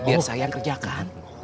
biar saya yang kerjakan